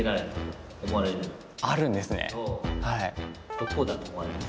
どこだと思われます？